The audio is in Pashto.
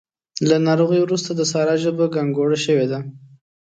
له ناروغۍ روسته د سارا ژبه ګانګوړه شوې ده.